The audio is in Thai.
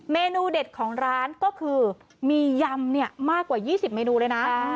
เมนูเด็ดของร้านก็คือมียำมากกว่า๒๐เมนูเลยนะ